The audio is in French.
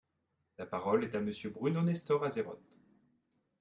La parole est à Monsieur Bruno Nestor Azerot.